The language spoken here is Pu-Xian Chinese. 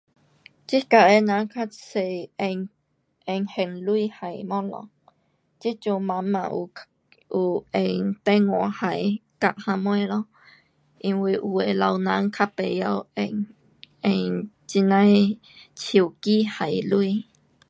这角的人较多用，用现钱还东西。这阵慢慢有，有用电话还，跟卡什么咯，因为有的老人较甭晓用，用这样的手机还钱。